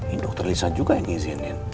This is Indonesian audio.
ini dokter lisan juga yang izinin